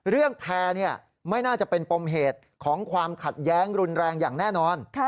แพร่ไม่น่าจะเป็นปมเหตุของความขัดแย้งรุนแรงอย่างแน่นอน